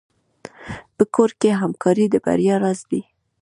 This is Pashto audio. په کور کې همکاري د بریا راز دی.